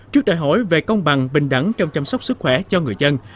trước đại hội về công bằng bình đẳng trong chăm sóc sức khỏe cho người dân